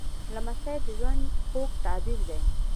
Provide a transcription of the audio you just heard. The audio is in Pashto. لمسی د ژوند خوږ تعبیر دی.